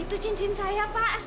itu cincin saya pak